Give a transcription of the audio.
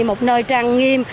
một nơi trang nghiêm